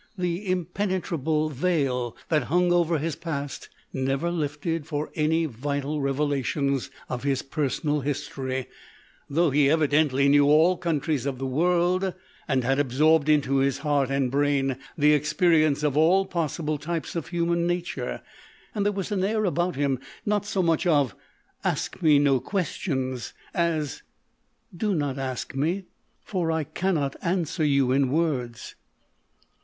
The impenetrable veil that hung over his past never lifted for any vital revelations of his personal history, though he evi dently knew all countries of the world, and had absorbed into his heart and brain the experience of all possible types of human nature ; and there was an air about him not so much of " Ask me no questions/' a&j THE OLD MAN OF VISIONS as " Do not ask me, for I cannot answer you in words."